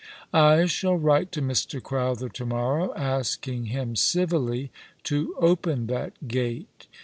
I shall write to Mr. Crowther to morrow, asking him civilly to open that gate.